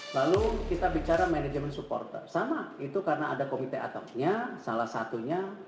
lalu kita bicara manajemen supporter sama itu karena ada komite atapnya salah satunya